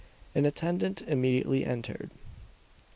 An attendant immediately entered.